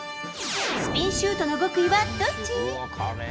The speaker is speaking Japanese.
スピンシュートの極意はどっち？